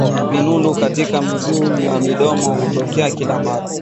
vinundu katika miguu na midomo hutokea kila mara